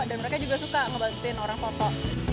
dan mereka juga suka ngebantuin orang foto